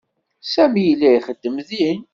Sami yella ixeddem din.